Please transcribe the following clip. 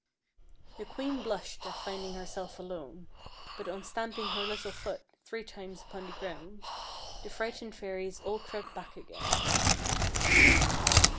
The queen blushed at finding herself alone, but on stamping her little foot three times upon the ground, the frightened fairies all crept back again.